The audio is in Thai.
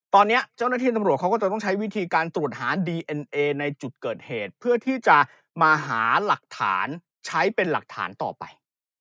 ตอนนี้เจ้าหน้าที่ตำรวจเขาก็จะต้องใช้วิธีการตรวจหาดีเอ็นเอในจุดเกิดเหตุเพื่อที่จะมาหาหลักฐานใช้เป็นหลักฐานต่อไป